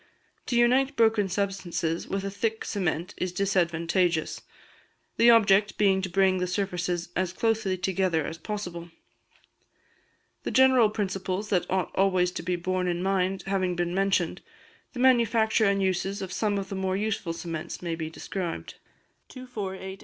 To unite broken substances with a thick cement is disadvantageous, the object being to bring the surfaces as closely together as possible. The general principles that ought always to be borne in mind having been mentioned, the manufacture and uses of some of the more useful cements may be described.